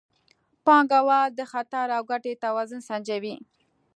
پانګوال د خطر او ګټې توازن سنجوي.